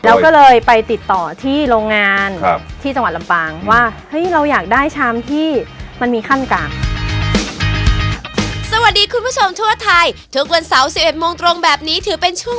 เราก็เลยไปติดต่อที่โรงงานที่จังหวัดลำปาง